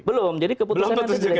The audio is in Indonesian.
belum jadi keputusan nanti saya kira tidak